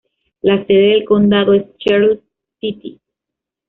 La sede de condado es Charles City.